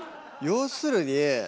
要するに。